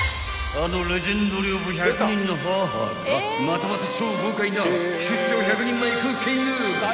［あのレジェンド寮母１００人の母がまたまた超豪快な出張１００人前クッキング］